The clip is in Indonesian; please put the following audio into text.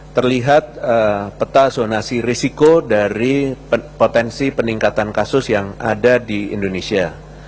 terlihat peta zonasi risiko dari potensi peningkatan kasus yang ada di indonesia